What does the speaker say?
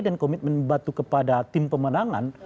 dan komitmen membantu kepada tim pemenangan